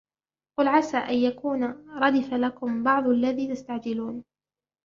قُلْ عَسَى أَنْ يَكُونَ رَدِفَ لَكُمْ بَعْضُ الَّذِي تَسْتَعْجِلُونَ